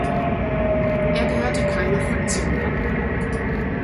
Er gehörte keiner Fraktion an.